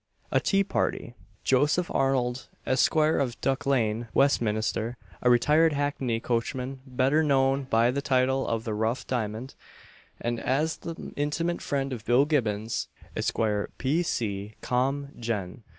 A TEA PARTY. Joseph Arnold, Esq., of Duck lane, Westminster, a retired hackney coachman, better known by the title of "the Rough Diamond," and as the intimate friend of Bill Gibbons, Esq. P.C. Com.